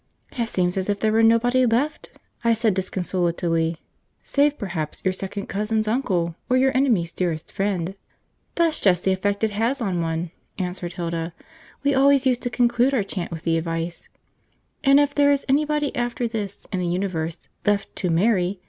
"It seems as if there were nobody left," I said disconsolately, "save perhaps your Second Cousin's Uncle, or your Enemy's Dearest Friend." "That's just the effect it has on one," answered Hilda. "We always used to conclude our chant with the advice: "And if there is anybody, after this, in the universe. left to. marry..